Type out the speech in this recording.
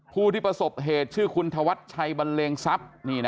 ผู้ที่ประสบเหตุชื่อคุณธวัชชัยบันเลงทรัพย์